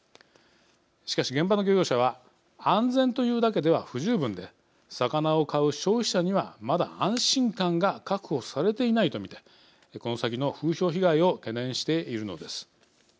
しかし、現場の漁業者は安全というだけでは不十分で魚を買う消費者にはまだ安心感が確保されていないと見て、この先の風評被害を懸念しているのです。